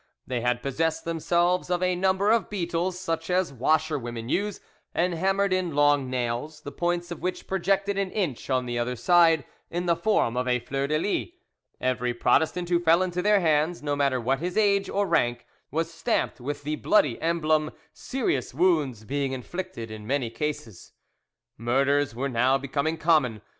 They had possessed themselves of a number of beetles such as washerwomen use, and hammered in long nails, the points of which projected an inch on the other side in the form of a fleur de lis. Every Protestant who fell into their hands, no matter what his age or rank, was stamped with the bloody emblem, serious wounds being inflicted in many cases. Murders were now becoming common.